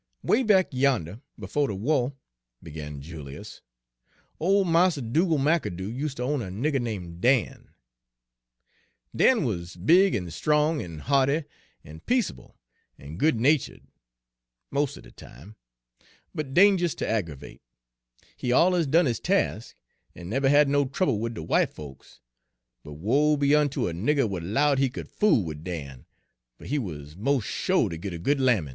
"Way back yander befo' de wah," began Julius, "ole Mars Dugal' McAdoo useter own a nigger name' Dan. Dan wuz big en strong en hearty en peaceable en good nachu'd most er de time, but dangerous ter aggervate. He alluz done his task, en nebber had no trouble wid de w'ite folks, but woe be unter de nigger w'at 'lowed he c'd fool wid Dan, fer he wuz mos' sho' ter git a good lammin'.